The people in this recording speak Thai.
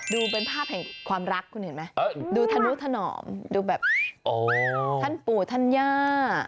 ดูเป็นภาพแห่งความรักคุณเห็นไหมดูธนุถนอมดูแบบท่านปู่ท่านย่า